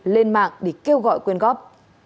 lên mạng để kêu gọi quyền góp